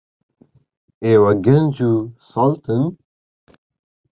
ئێوە گەنج و سەڵتن.